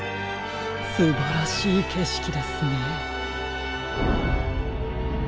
すばらしいけしきですね。